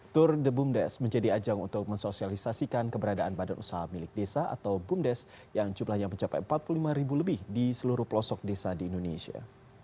tour de bumdes menjadi ajang untuk mensosialisasikan keberadaan badan usaha milik desa atau bumdes yang jumlahnya mencapai empat puluh lima ribu lebih di seluruh pelosok desa di indonesia